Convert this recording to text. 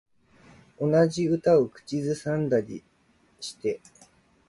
同じ歌を口ずさんでたりして